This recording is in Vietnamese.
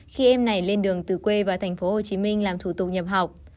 khi em này lên đường từ quê vào tp hcm làm thủ tục nhập học